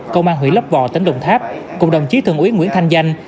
công an hủy lấp vò tỉnh đồng tháp cùng đồng chí thường uyến nguyễn thanh danh